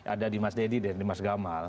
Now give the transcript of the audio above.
ada di mas deddy di mas gamal